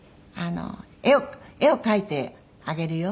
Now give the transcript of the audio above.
「絵を描いてあげるよ」。